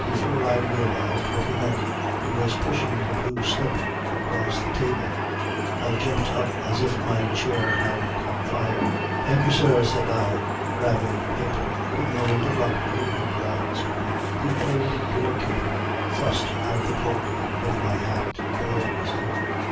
Before I realised what he meant he was pushing the blue slip across the table. I jumped up as if my chair had caught fire. "Thank you, sir," says I, grabbing the paper. "Good morning, good luck to you," he growls at me. "The old doorkeeper fussed out of the cloak room with my hat. They always do.